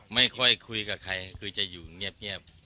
ไม่ค่อยคุยกับใครคือจะอยู่เงียบ